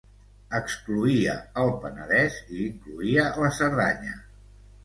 Excloïa el Penedès i incloïa la Cerdanya.